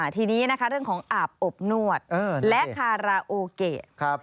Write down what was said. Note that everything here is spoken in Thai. ทีนี้นะคะเรื่องของอาบอบนวดและคาราโอเกะ